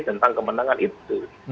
tentang kemenangan itu